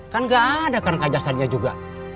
kan gak ada kan kajasannya juga